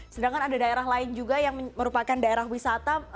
sedangkan ada daerah lain juga yang merupakan daerah wisata